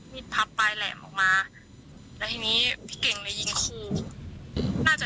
พูดถูกก็ไม่รู้ว่าคุกนึงให้เห็นความเข็มใจพวกมันนะครับ